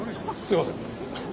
すいません。